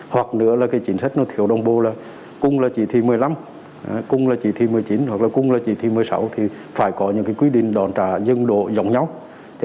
hoặc nữa là cái chính sách nó thiểu đồng bộ là cùng là chỉ thị một mươi năm cùng là chỉ thị một mươi chín hoặc là cùng là chỉ thị một mươi sáu thì phải có những cái quy định đòn trả dân độ dòng nhóc